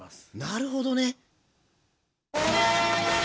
なるほどね。